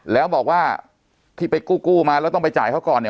แล้วบอกว่าที่ไปกู้มาแล้วต้องไปจ่ายเขาก่อนเนี่ย